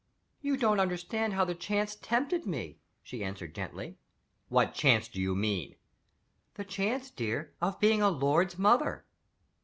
"You don't understand how the chance tempted me," she answered, gently. "What chance do you mean?" "The chance, dear, of being a lord's mother."